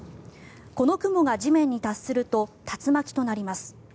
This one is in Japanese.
この雲が地面に達すると竜巻となります。